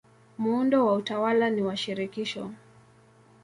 Muundo wa utawala ni wa shirikisho.